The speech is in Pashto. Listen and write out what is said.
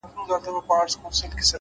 لوړ لید لوري لوی بدلون راولي’